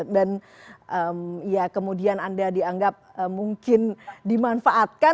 dan ya kemudian anda dianggap mungkin dimanfaatkan